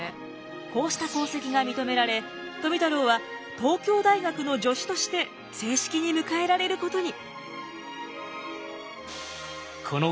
こうした功績が認められ富太郎は東京大学の助手として正式に迎えられることに。